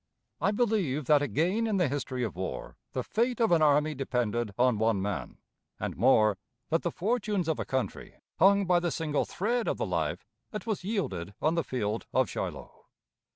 I believe that again in the history of war the fate of an army depended on one man; and more, that the fortunes of a country hung by the single thread of the life that was yielded on the field of Shiloh.